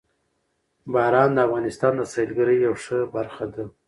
باران د افغانستان د سیلګرۍ یوه ښه برخه ده.